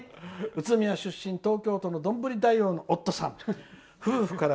宇都宮出身、東京都のどんぶりだいおうの夫さんから。